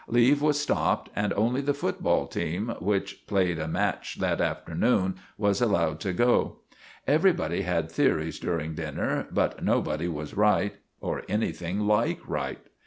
Leave was stopped, and only the football team, which played a match that afternoon, was allowed to go. Everybody had theories during dinner, but nobody was right, or anything like right.